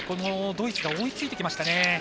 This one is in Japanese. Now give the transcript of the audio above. ドイツが追いついてきました。